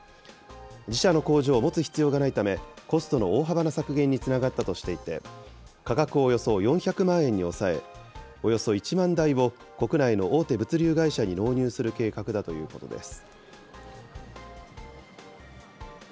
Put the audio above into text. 自社の工場を持つ必要がないため、コストの大幅な削減につながったとしていて、価格をおよそ４００万円に抑え、およそ１万台を国内の大手物流会社に納入する計画だということです。